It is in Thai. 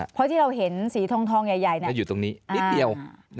เพราะที่เราเห็นสีทองใหญ่ก็อยู่ตรงนี้นิดเดียว